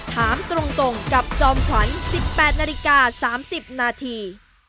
ถามตรงกับจอมขวัญ๑๘นาฬิกา๓๐นาที